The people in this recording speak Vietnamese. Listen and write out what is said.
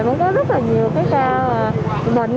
vẫn có rất là nhiều cái ca bệnh